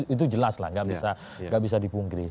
itu jelas lah nggak bisa dipungkiri